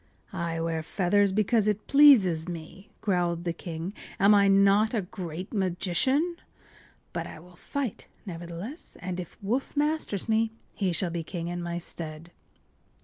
” “I wear feathers because it pleases me,” growled the king. “Am I not a great magician? But I will fight, nevertheless, and if Woof masters me he shall be king in my stead.